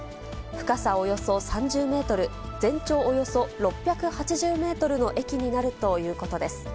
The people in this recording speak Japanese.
深さおよそ３０メートル、全長およそ６８０メートルの駅になるということです。